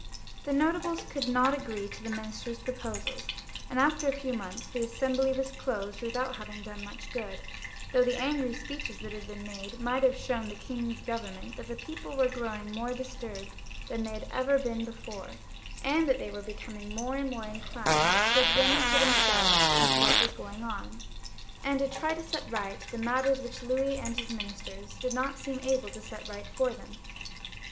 The Notables could not agree to the minister's proposals, and after a few months XLVii.] LOUIS XVL 379 the Assembly was closed without having done much good, though the angry speeches that had been made might have shown the king's Government that the people were grow ing more disturbed than they had ever been before, and that they were becoming more and more inclined to exa mine for themselves into what was going on, and to try to set right the matters which Louis and lus ministers did not seem able to set right for them.